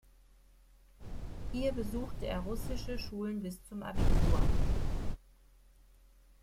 Hier besuchte er russische Schulen bis zum Abitur.